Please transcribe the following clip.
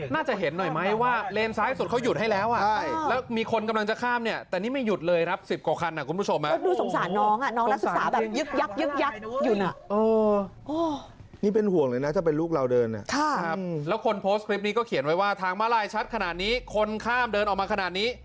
น่าจะเห็นหน่อยไหมว่าเลนสายสุดเขาหยุดให้แล้วอ่ะใช่แล้วมีคนกำลังจะข้ามเนี้ย